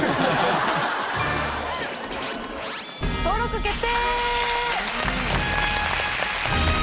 登録決定！